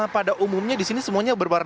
pada umumnya di sini semuanya berbara